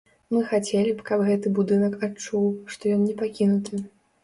Мы хацелі б, каб гэты будынак адчуў, што ён не пакінуты.